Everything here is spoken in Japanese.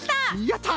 やった！